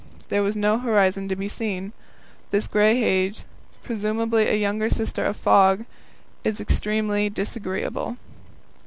There was no horizon to be seen. This grey haze, presumably a younger sister of fog, is extremely disagreeable.